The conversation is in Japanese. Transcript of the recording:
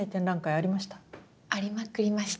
ありまくりました。